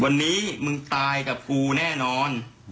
วันนี้มึงตายกับกูแน่นอน